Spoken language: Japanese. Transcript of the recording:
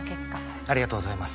ありがとうございます。